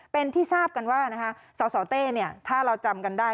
เป็นที่ทราบกันว่าสสเต้ถ้าเราจำกันได้